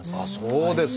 そうですか。